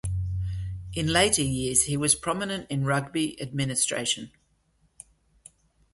In later years he was prominent in rugby administration.